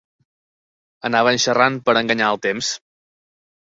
Anaven xerrant per enganyar el temps.